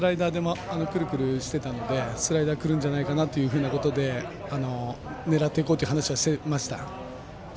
恐らくスライダーでくるくるしてたのでスライダーくるんじゃないかなってことで、狙っていこうって話をしていました。